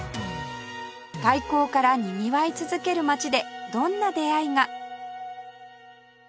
開港からにぎわい続ける街でどんな出会いが？